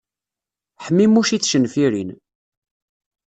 Ḥmimuc i tcenfirin.